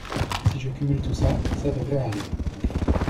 Si je cumule tout ça, ça devrait aller.